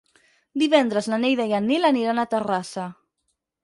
Divendres na Neida i en Nil aniran a Terrassa.